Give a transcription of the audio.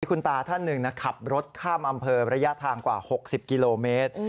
คุณตาท่านหนึ่งขับรถข้ามอำเภอระยะทางกว่า๖๐กิโลเมตร